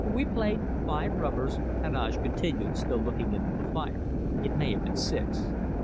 "We played five rubbers," Heneage continued, still looking into the fire; "it may have been six.